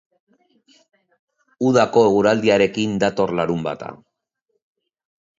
Udako eguraldiarekin dator larunbata.